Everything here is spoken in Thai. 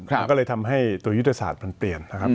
มันก็เลยทำให้ตัวยุทธศาสตร์มันเปลี่ยนนะครับ